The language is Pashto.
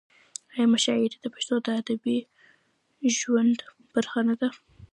آیا مشاعرې د پښتنو د ادبي ژوند برخه نه ده؟